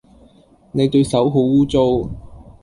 你對手好污糟